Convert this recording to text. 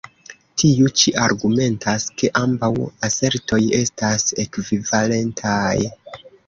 Tiu ĉi argumentas, ke ambaŭ asertoj estas ekvivalentaj.